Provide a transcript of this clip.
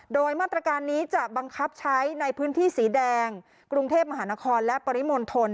โดยมาตรการนี้จะบังคับใช้ในพื้นที่สีแดงกรุงเทพมหานครและปริมณฑล